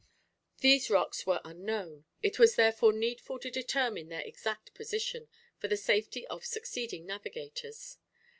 These rocks were unknown; it was therefore needful to determine their exact position, for the safety of succeeding navigators.